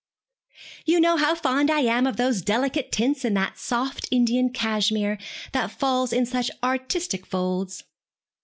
'You know how fond I am of those delicate tints in that soft Indian cashmere, that falls in such artistic folds.'